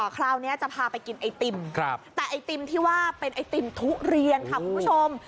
คราวนี้จะพาไปกินไอติมแต่ไอติมที่ว่าเป็นไอติมทุเรียนค่ะคุณผู้ชม